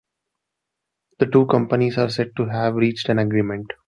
The two companies are said to have reached an agreement.